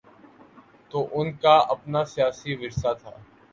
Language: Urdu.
تو ان کا اپنا سیاسی ورثہ تھا۔